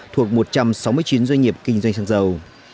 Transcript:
thuộc một trăm sáu mươi chín doanh nghiệp kinh doanh xăng dầu